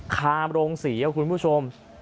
คามโรงศรีครับคุณผู้ชม